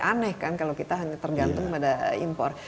aneh kan kalau kita hanya tergantung pada impor